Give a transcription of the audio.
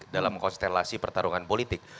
dalam konstelasi pertarungan politik